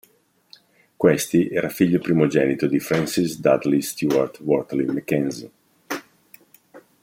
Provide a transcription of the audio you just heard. Questi era figlio primogenito di Francis Dudley Stuart-Wortley-Mackenzie.